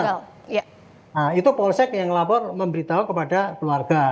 nah itu polsek yang lapor memberitahu kepada keluarga